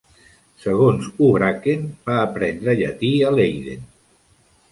Segons Houbraken, va aprendre llatí a Leiden.